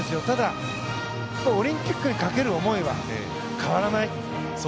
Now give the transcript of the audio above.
ただ、オリンピックにかける思いは変わらない。